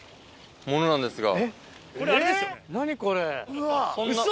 ものなんですが。